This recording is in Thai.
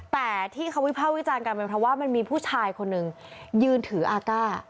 แต่ที่เขาวิภาควิจารณ์กันเป็นเพราะว่ามันมีผู้ชายคนหนึ่งยืนถืออากาศ